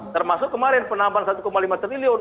termasuk kemarin penambahan satu lima triliun